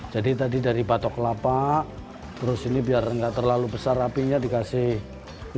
jadi tadi dari batok kelapa terus ini biar tidak terlalu besar apinya dikasih air